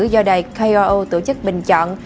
do đài koo tổ chức bình chọn